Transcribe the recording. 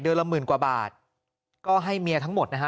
ละหมื่นกว่าบาทก็ให้เมียทั้งหมดนะฮะ